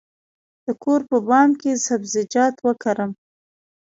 د کور په بام کې سبزیجات وکرم؟